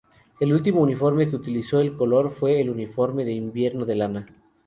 El último uniforme que utilizó el color fue el uniforme de invierno de lana.